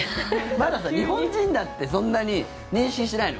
まだ、日本人だってそんなに認識してないの。